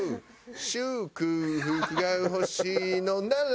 「祝福が欲しいのなら」